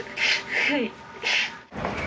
はい。